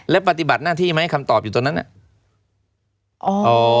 แล้วปฏิบัติหน้าที่ไหมคำตอบอยู่ตอนนั้นน่ะ